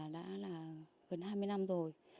đã gần hai mươi năm rồi